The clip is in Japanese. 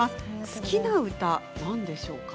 好きな歌、何でしょうか？